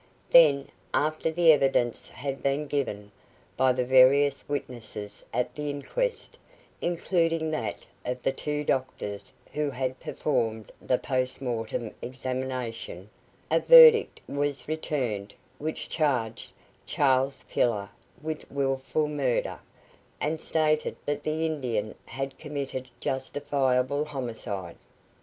Then, after the evidence had been given, by the various witnesses at the inquest, including that of the two doctors who had performed the post mortem examination, a verdict was returned which charged Charles Pillar with wilful murder, and stated that the Indian had committed justifiable homicide.